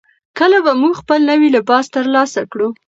کله به موږ خپل نوی لباس ترلاسه کړو؟